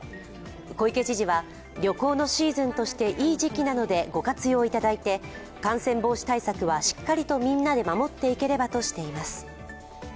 小池知事は、旅行のシーズンとしていい時期なのでご活用いただいて感染防止対策はしっかりとみんなで守っていければとしています。